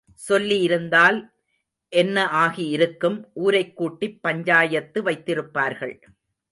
சொல்லி இருந்தால் என்ன ஆகி இருக்கும் ஊரைக் கூட்டிப் பஞ்சாயத்து வைத்திருப்பார்கள்.